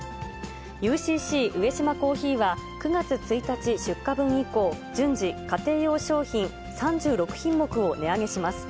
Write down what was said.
ＵＣＣ上島珈琲は、９月１日出荷分以降、順次、家庭用商品３６品目を値上げします。